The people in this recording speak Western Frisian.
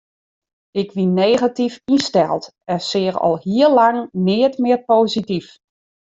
Ik wie negatyf ynsteld en seach al hiel lang neat mear posityf.